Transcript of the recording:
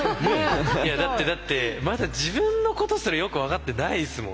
いやだってだってまだ自分のことすらよく分かってないですもん。